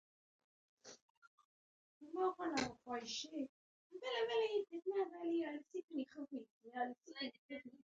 ازادي راډیو د د ځنګلونو پرېکول لپاره عامه پوهاوي لوړ کړی.